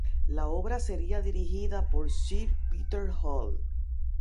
La obra sería dirigida por sir Peter Hall.